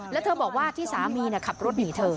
แล้วเธอบอกว่าที่สามีขับรถหนีเธอ